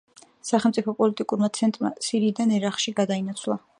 სახელმწიფო პოლიტიკურმა ცენტრმა სირიიდან ერაყში გადაინაცვლა.